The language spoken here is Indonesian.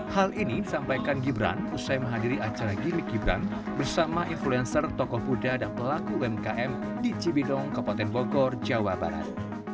hal ini disampaikan gibran usai menghadiri acara gimmick gibran bersama influencer tokoh muda dan pelaku umkm di cibidong kabupaten bogor jawa barat